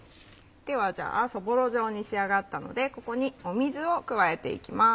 ではそぼろ状に仕上がったのでここに水を加えていきます。